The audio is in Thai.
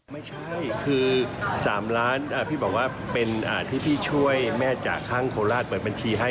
ไม่ใช่คือ๓ล้านพี่บอกว่าเป็นที่พี่ช่วยแม่จากข้างโคราชเปิดบัญชีให้